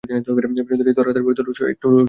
বিনোদিনী তাড়াতাড়ি বলিত, রোসো, এইটুকু শেষ করিয়া যাও।